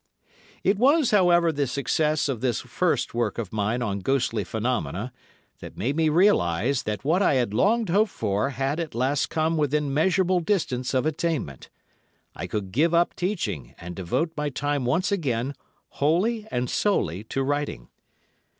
It was, however, the success of this first work of mine on ghostly phenomena that made me realise that what I had long hoped for had at last come within measurable distance of attainment. I could give up teaching and devote my time once again, wholly and solely to writing.